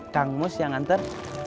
kang mus yang nganter